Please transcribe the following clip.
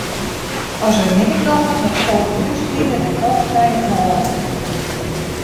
As wy neat dogge, dan skoot de kustline de kant nei it lân op.